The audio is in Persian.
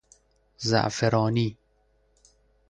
زعفرانی